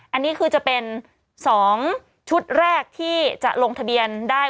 อันนี้คือจะเป็น๒ชุดแรกที่จะลงทะเบียนได้